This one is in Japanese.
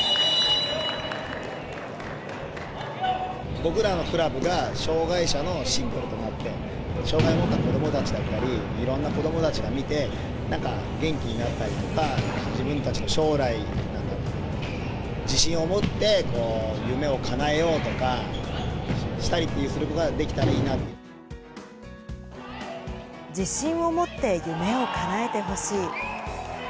僕らのクラブが、障がい者のシンボルとなって、障がいを持った子どもたちだったり、いろんな子どもたちが見て、なんか、元気になったりとか、自分たちが将来、自信を持って夢をかなえようとかしたりっていうのができたらいい自信を持って夢をかなえてほしい。